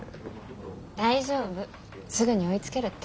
大丈夫すぐに追いつけるって。